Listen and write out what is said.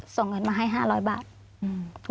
ส่งเงินมาให้๕๐๐บาท